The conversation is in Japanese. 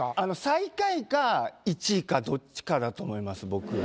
最下位か１位かどっちかだと思います僕は。